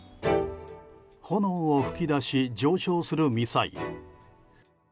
炎を噴き出し上昇するミサイル。